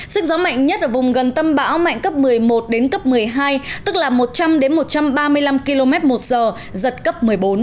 sức gió mạnh nhất vùng gần tâm bão mạnh cấp một mươi một đến cấp một mươi hai tức là một trăm linh một trăm ba mươi năm km một giờ giật cấp một mươi bốn